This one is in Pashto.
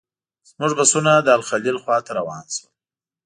زموږ بسونه د الخلیل خواته روان شول.